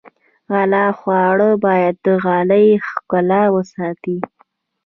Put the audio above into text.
غاله خواره باید د غالۍ ښکلا وساتي.